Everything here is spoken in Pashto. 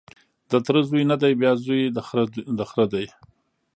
د تره زوی نه دی بیا زوی د خره دی